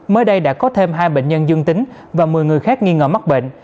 mới đây đã có thêm hai bệnh nhân dương tính và một mươi người khác nghi ngờ mắc bệnh